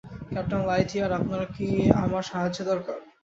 Captain Lightyear, আপনার কি আমার সাহায্যের দরকার?